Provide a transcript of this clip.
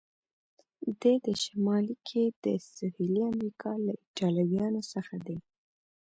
دی د شمالي که د سهیلي امریکا له ایټالویانو څخه دی؟